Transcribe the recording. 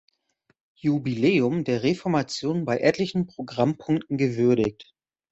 Jubiläum der Reformation bei etlichen Programmpunkten gewürdigt.